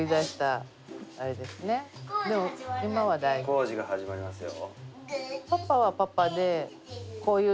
工事が始まりますよ。